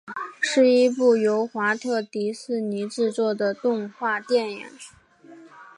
是一部由华特迪士尼制作的动画电影。